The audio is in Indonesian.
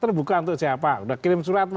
terbuka untuk siapa sudah kirim surat